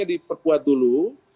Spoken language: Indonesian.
di perkuat dulu